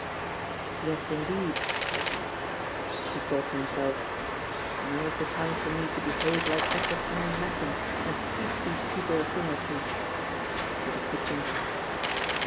"Yes, indeed!" said he. He thought to himself: "Now's the time for me to behave like Edward Henry Machin, and teach these people a thing or two!" But he could not.